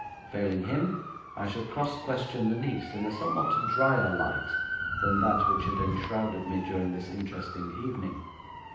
Failing him, I should cross question the niece in a somewhat dryer light than that which had enshrouded me during this interesting evening.